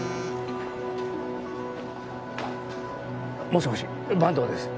もしもし坂東です。